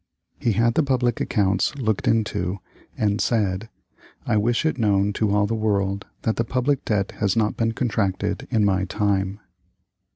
He had the public accounts looked into, and said, "I wish it known to all the world that the public debt has not been contracted in my time."